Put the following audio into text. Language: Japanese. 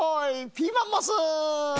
ピーマンモス！